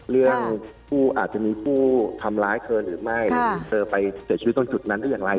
เรื่องผู้อาจจะมีผู้ทำร้ายเธอหรือไม่เธอไปเสียชีวิตตรงจุดนั้นได้อย่างไร